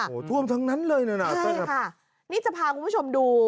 โอ้โฮท่วมทั้งนั้นเลยนะอัตเตอร์ครับค่ะนี่จะพาคุณผู้ชมดู